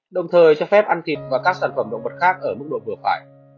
đồng thời cho phép ăn thịt và các sản phẩm động vật khác ở mức độ vừa phải